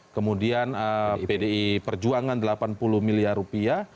kemudian pdi perjuangan delapan puluh miliar rupiah